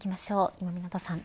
今湊さん。